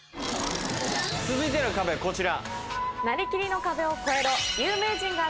続いての壁はこちら。